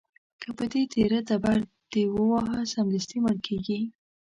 که په دې تېره تبر دې وواهه، سمدستي مړ کېږي.